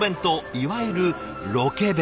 いわゆるロケ弁。